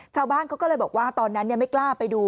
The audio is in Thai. ชาวบ้านเขาก็เลยบอกว่าตอนนั้นไม่กล้าไปดู